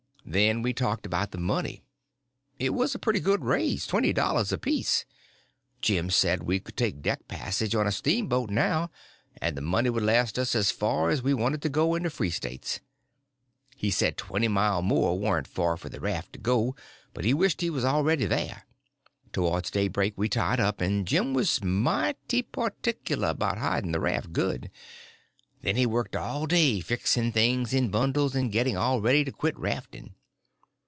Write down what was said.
Then we talked about the money. It was a pretty good raise—twenty dollars apiece. Jim said we could take deck passage on a steamboat now, and the money would last us as far as we wanted to go in the free States. He said twenty mile more warn't far for the raft to go, but he wished we was already there. Towards daybreak we tied up, and Jim was mighty particular about hiding the raft good. Then he worked all day fixing things in bundles, and getting all ready to quit rafting.